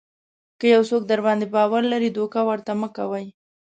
که یو څوک درباندې باور لري دوکه ورته مه کوئ.